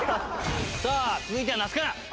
さあ続いては那須君。